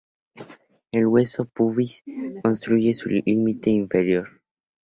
El hueso pubis constituye su límite inferior.